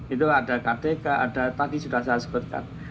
itu ada kpk ada tadi sudah saya sebutkan